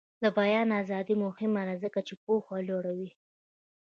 د بیان ازادي مهمه ده ځکه چې پوهه لوړوي.